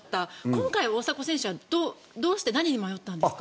今回、大迫選手はどうして何に迷ったんですか。